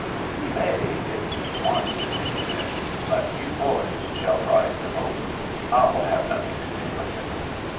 "He may, if he wants to," she said; "but you boys shall drive them over. I'll have nothing to do with it."